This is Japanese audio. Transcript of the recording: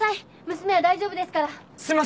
娘は大丈夫ですから